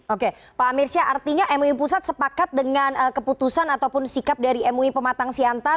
oke pak amirsya artinya mui pusat sepakat dengan keputusan ataupun sikap dari mui pematang siantar